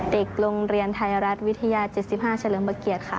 เด็กโรงเรียนไทยรัฐวิทยา๗๕เฉลิมพระเกียรติค่ะ